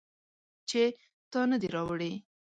چې تا نه دي راوړي